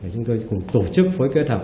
chúng tôi cùng tổ chức phối kết hợp